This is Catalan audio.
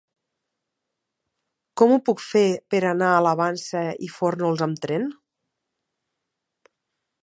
Com ho puc fer per anar a la Vansa i Fórnols amb tren?